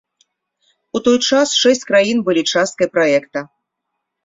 У той час шэсць краін былі часткай праекта.